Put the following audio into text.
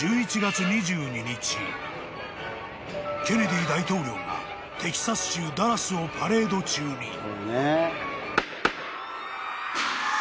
［ケネディ大統領がテキサス州ダラスをパレード中に］